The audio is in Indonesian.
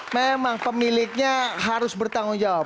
memang pemiliknya harus bertanggung jawab